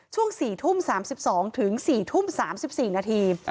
ช่วง๔ทุ่ม๓๒ถึง๔ทุ่ม๓๔นาที